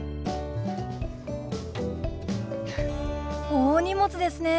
大荷物ですね！